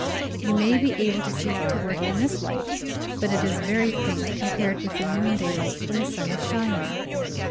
You may be able to see to work in this light, but it is very faint compared with the noonday light when the sun is shining."